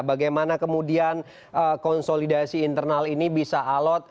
bagaimana kemudian konsolidasi internal ini bisa alot